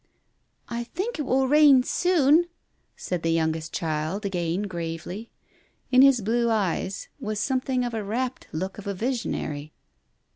" I think it will rain soon !" said the youngest child again gravely. In his blue eyes was something of the rapt look of a visionary.